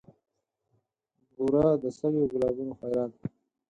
بورا د سویو ګلابونو خیرات